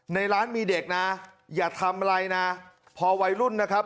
ในร้านมีเด็กนะอย่าทำอะไรนะพอวัยรุ่นนะครับ